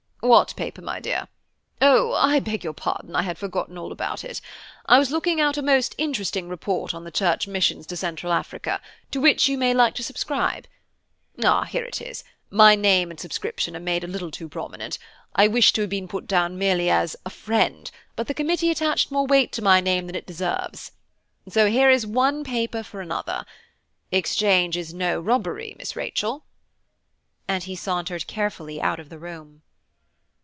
"What paper, my dear? Oh! I beg your pardon, I had forgotten all about it. I was looking out a most interesting report on the Church Missions to Central Africa, to which you may like to subscribe. Ah, here it is; my name and subscription are made a little too prominent; I wished to have been put down merely as a 'friend,' but the Committee attached more weight to my name than it deserves. So here is one paper for another. Exchange is no robbery, Miss Rachel," and he sauntered carefully out of the room.